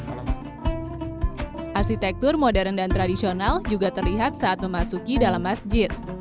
arsitektur modern dan tradisional juga terlihat saat memasuki dalam masjid